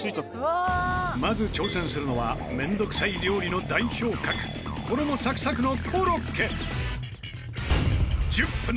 まず挑戦するのは面倒くさい料理の代表格衣サクサクのコロッケ！